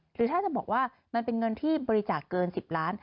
หรือถ้าจะบอกว่ามันเป็นเงินที่บริจาคเกิน๑๐ล้าน